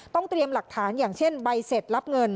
เตรียมหลักฐานอย่างเช่นใบเสร็จรับเงิน